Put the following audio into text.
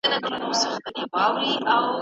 د دوکتورا برنامه بې له ځنډه نه پیلیږي.